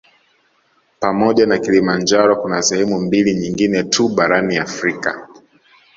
Pamoja na Kilimanjaro kuna sehemu mbili nyingine tu barani Afrika